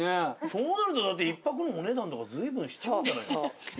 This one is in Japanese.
そうなるとだって一泊のお値段とか随分しちゃうんじゃないですか？